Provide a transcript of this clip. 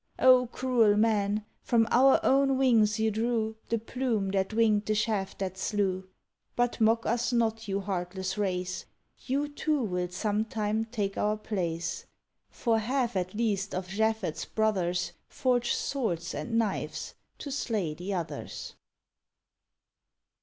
Oh, cruel men, from our own wings you drew The plume that winged the shaft that slew; But mock us not, you heartless race, You too will some time take our place; For half at least of Japhet's brothers Forge swords and knives to slay the others."